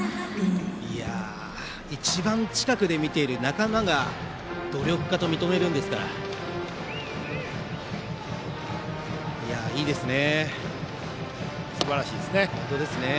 一番近くで見ている仲間が努力家と認めるんですからいいですね。